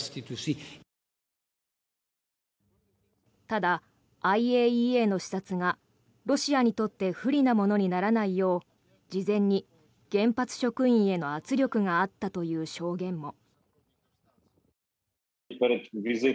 ただ、ＩＡＥＡの視察がロシアにとって不利なものにならないよう事前に原発職員への圧力があったという証言も。